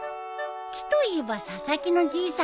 木といえば佐々木のじいさんだね。